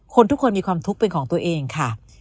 ทุกคนมีความทุกข์เป็นของตัวเองค่ะ